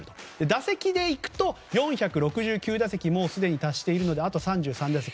打席でいくと、４６９打席すでに達しているのであと３３打席。